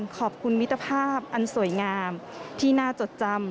ขอบคุณมิตรภาพอันสวยงามที่น่าจดจำ